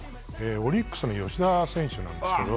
オリックスの吉田選手です。